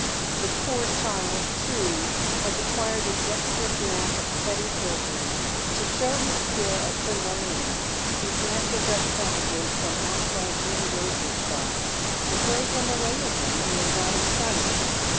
The poor child, too, has acquired a dexterous knack of petty pilfer ing. To show his skill at purloining, he snatches up cabbages from outside greengrocers' shops and throws them away again when he is out of sight.